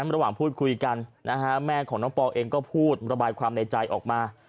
ระหว่างพูดคุยกันนะฮะแม่ของน้องปอลเองก็พูดระบายความในใจออกมา